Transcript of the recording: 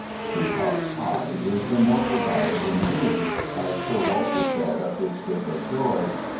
"Peacock Pie" is immortal diet indeed, as Sir Walter said of his scrip of joy.